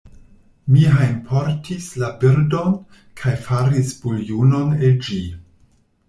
Mi hejmportis la birdon, kaj faris buljonon el ĝi.